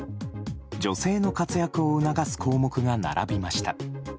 女性の活躍を促す項目が並びました。